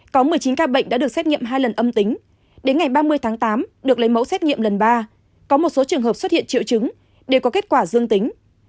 có một mươi chín ca bệnh đã được xét nghiệm hai lần âm tính đến ngày ba mươi tháng tám được lấy mẫu xét nghiệm lần ba có một số trường hợp xuất hiện triệu chứng đều có kết quả dương tính